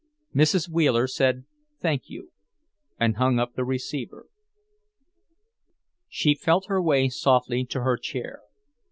Mrs. Wheeler said, "Thank you," and hung up the receiver. She felt her way softly to her chair.